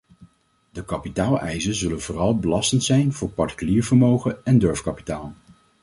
De kapitaaleisen zullen vooral belastend zijn voor particulier vermogen en durfkapitaal.